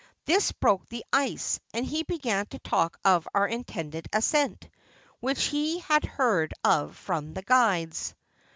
This broke the ice, and he began to talk of our intended ascent, which he had heard of from the guides.